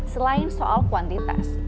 selain soal kuantitas